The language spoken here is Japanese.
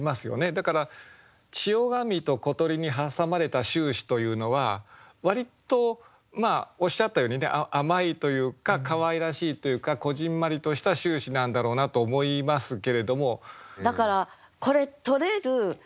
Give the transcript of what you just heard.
だから「千代紙」と「小鳥」に挟まれた「秋思」というのは割とまあおっしゃったようにね甘いというかかわいらしいというかこぢんまりとした秋思なんだろうなと思いますけれども。